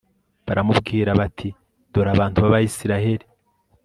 baramubwira bati dore abantu b'abayisraheli